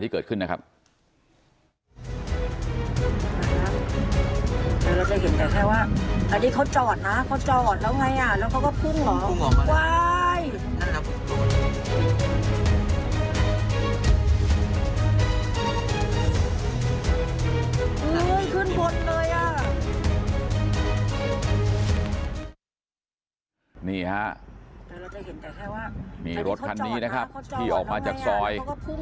นี่ฮะมีรถคันนี้นะครับที่ออกมาจากซอย